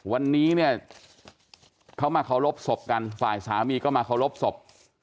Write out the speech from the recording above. วันนี้เนี่ยเขามาเคารพศพกันฝ่ายสามีก็มาเคารพศพ